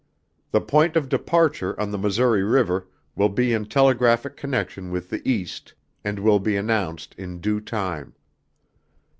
The point of departure on the Missouri River will be in telegraphic connection with the East and will be announced in due time.